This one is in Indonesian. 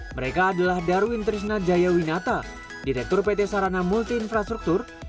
mereka adalah darwin trisna jayawinata direktur pt sarana multi infrastruktur